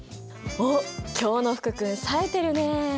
おっ今日の福君さえてるね。